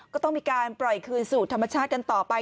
ก็ต้องมีการปล่อยคืนสู่ธรรมชาติกันต่อไป